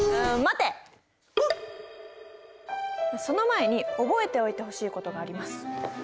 その前に覚えておいてほしいことがあります。